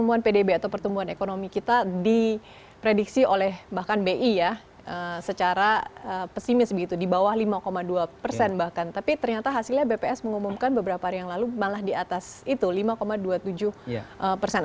bukan beberapa hari yang lalu malah di atas itu lima dua puluh tujuh persen